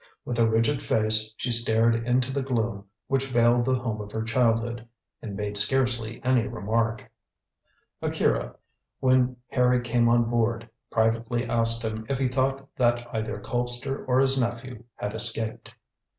With a rigid face she stared into the gloom which veiled the home of her childhood, and made scarcely any remark. Akira, when Harry came on board, privately asked him if he thought that either Colpster or his nephew had escaped.